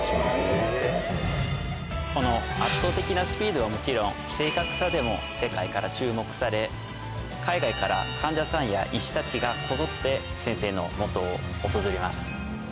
この圧倒的なスピードはもちろん正確さでも世界から注目され海外から患者さんや医師たちがこぞって先生のもとを訪れます。